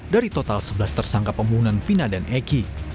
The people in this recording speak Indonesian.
dari total sebelas tersangka pembunuhan vina dan eki